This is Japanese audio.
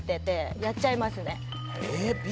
やっちゃいますねえ